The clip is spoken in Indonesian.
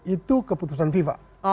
itu keputusan fifa